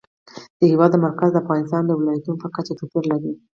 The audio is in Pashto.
د هېواد مرکز د افغانستان د ولایاتو په کچه توپیر لري.